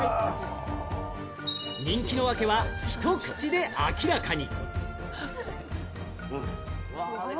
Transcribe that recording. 人気のワケはひと口で明らかに。